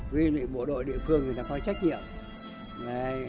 với bộ đội địa phương người ta có trách nhiệm